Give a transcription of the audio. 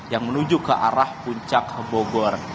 yang menuju ke arah puncak bogor